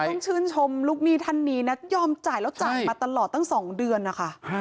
ต้องชื่นชมลูกหนี้ท่านนี้นะยอมจ่ายแล้วจ่ายมาตลอดตั้ง๒เดือนนะคะ